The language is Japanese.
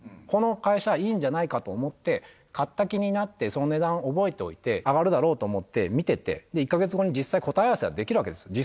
この会社いいんじゃないかと思って、買った気になって、その値段、覚えておいて、上がるだろうと思って見てて、１か月後に実際、答え合わせはできるわけです。